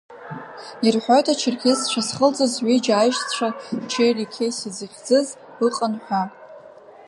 Ирҳәоит ачерқьесцәа зхылҵыз ҩыџьа аишьцәа Чери Қьеси зыхьӡыз, ыҟан ҳәа.